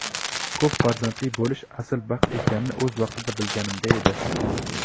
• Ko‘p farzandli bo‘lish asl baxt ekanini o‘z vaqtida bilganimda edi…